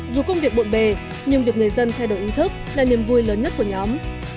dù công việc bộn bề nhưng việc người dân thay đổi ý thức là niềm vui lớn nhất của nhóm